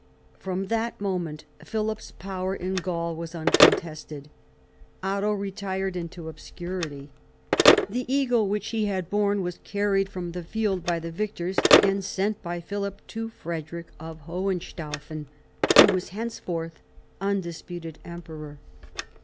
From that moment Philip's power in Gaul was uncontested. Otto retired into obscurity. The eagle which he had borne was carried from the field by the victors, and sent by Philip to Frederic of Hohen staufen, who was henceforth undisputed emperor.